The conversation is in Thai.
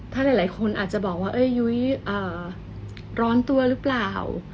ถ้าหลายคนอาจจะบอกว่ายุ้ยร้อนตัวหรือเปล่า